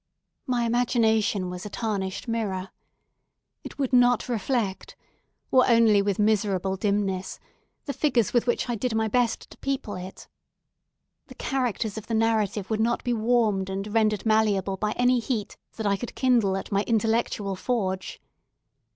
My imagination was a tarnished mirror. It would not reflect, or only with miserable dimness, the figures with which I did my best to people it. The characters of the narrative would not be warmed and rendered malleable by any heat that I could kindle at my intellectual forge.